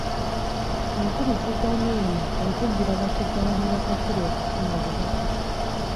Empuliziganya eno ekugira bakiggala ne bakasiru okufuna obubaka.